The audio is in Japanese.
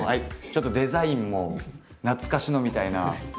ちょっとデザインも懐かしのみたいな。